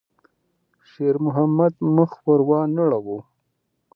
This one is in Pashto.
شېرمحمد مخ ور وانه ړاوه.